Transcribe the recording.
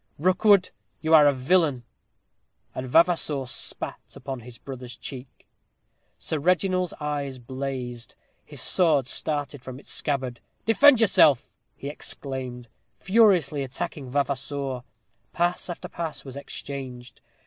"Rookwood, you are a villain." And Vavasour spat upon his brother's cheek. Sir Reginald's eyes blazed. His sword started from its scabbard. "Defend yourself!" he exclaimed, furiously attacking Vavasour. Pass after pass was exchanged.